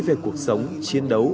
về cuộc sống chiến đấu